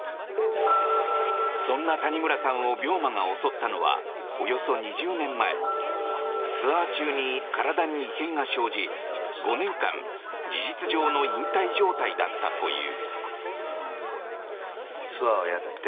そんな谷村さんを病魔が襲ったのはおよそ２０年前ツアー中に体に異変が生じ５年間事実上の引退状態だったという。